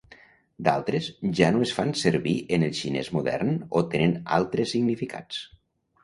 D'altres ja no es fan servir en el xinès modern o tenen altres significats.